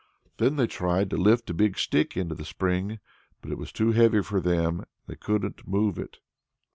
Then they tried to lift a big stick into the spring, but it was too heavy for them, and they couldn't move it.